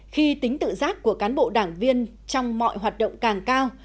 khi tính tự giác của cán bộ đảng viên trong mọi hoạt động càng cao